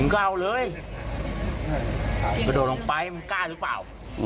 ก็โดดลงไปมันกล้าหรือเปล่า